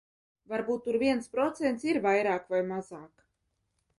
Varbūt tur viens procents ir vairāk vai mazāk.